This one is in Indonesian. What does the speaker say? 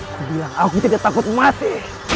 aku bilang aku tidak takut mati